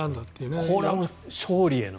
これは勝利への。